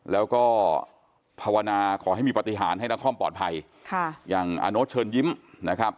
แล้วก็ภาวนาขอให้มีปฏิหารให้นครปลอดภัยค่ะอย่างอาโน๊ตเชิญยิ้มนะครับ